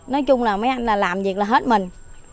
nói chung là mấy anh là làm việc là hết mình